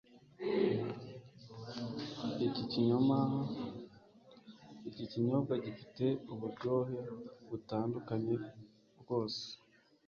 Iki kinyobwa gifite uburyohe butandukanye rwose.